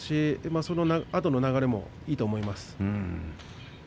そのあとの流れもいいと思います。